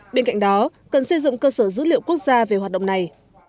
bên cạnh đó cần xây dựng cơ sở dữ liệu quốc gia về hoạt động này